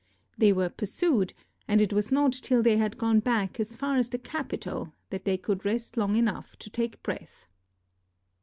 They were pursued, and it was not till they had gone back as far as the capital that they could rest long enough to take breath.